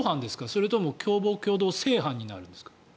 それは共謀共同正犯になるんですか？